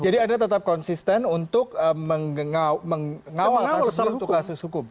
jadi anda tetap konsisten untuk mengawal kasus itu untuk kasus hukum